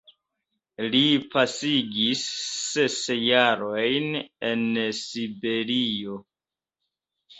Li pasigis ses jarojn en Siberio.